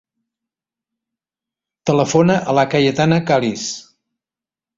Telefona a la Cayetana Caliz.